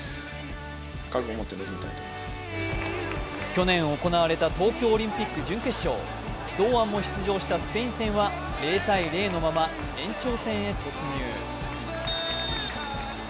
去年行われた東京オリンピック準決勝、堂安も出場したスペイン戦は０−０のまま延長戦へ突入。